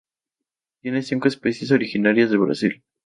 Tiene cinco especies originarias de Brasil.